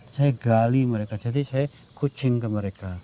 saya gali mereka jadi saya kucing ke mereka